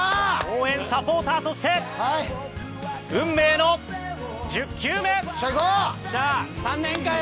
応援サポーターとして運命の１０球目！よっしゃいこう！